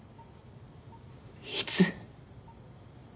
いつ？